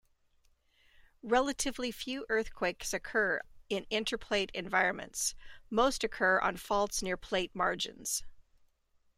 Relatively few earthquakes occur in intraplate environments; most occur on faults near plate margins.